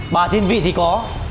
bà thiên vị thì có